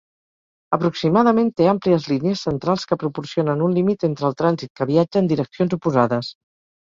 Aproximadament té "àmplies línies centrals" que proporcionen un límit entre el trànsit que viatja en direccions oposades.